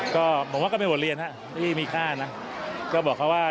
ก็ผมว่าก็เป็นบทเรียนนะครับที่มีค่านะ